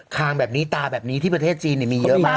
คางแบบนี้ตาแบบนี้ที่ประเทศจีนมีเยอะมาก